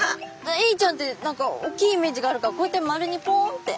エイちゃんって何か大きいイメージがあるからこうやって丸にポンって。